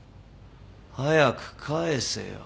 早く返せよ。